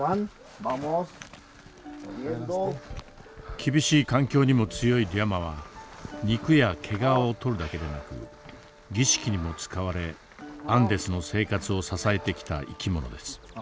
厳しい環境にも強いリャマは肉や毛皮を取るだけでなく儀式にも使われアンデスの生活を支えてきた生き物です。